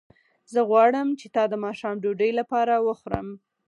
زه غواړم چې تا د ماښام ډوډۍ لپاره وخورم